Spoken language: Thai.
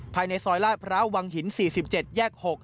ภายในซอยลาดพร้าววังหิน๔๗แยก๖